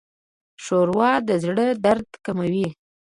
ښوروا د زړه درد کموي.